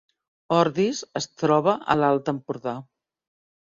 Ordis es troba a l’Alt Empordà